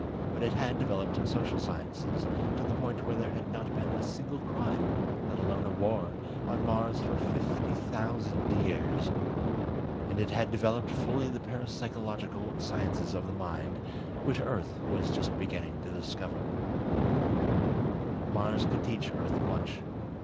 But it had developed social sciences to the point where there had not been a single crime, let alone a war, on Mars for fifty thousand years. And it had developed fully the parapsychological sciences of the mind, which Earth was just beginning to discover. Mars could teach Earth much.